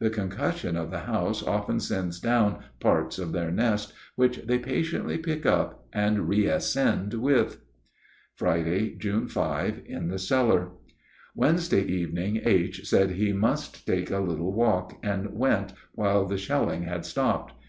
The concussion of the house often sends down parts of their nest, which they patiently pick up and reascend with. Friday, June 5. In the cellar. Wednesday evening H. said he must take a little walk, and went while the shelling had stopped.